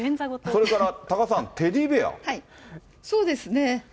それから多賀さん、そうですね。